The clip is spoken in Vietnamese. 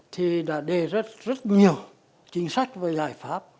thì đã đề rất rất nhiều chính sách và giải pháp